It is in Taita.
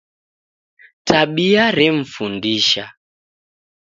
Tabia remfundisha